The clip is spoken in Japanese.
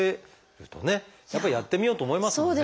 やっぱりやってみようと思いますもんね。